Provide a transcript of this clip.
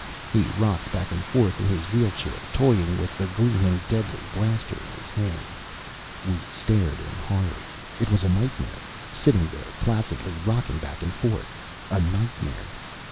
He rocked back and forth in his wheelchair, toying with the gleaming, deadly blaster in his hand. We stared in horror. It was a nightmare sitting there, placidly rocking back and forth, a nightmare.